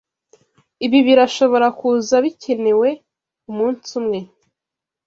Ibi birashobora kuza bikenewe umunsi umwe.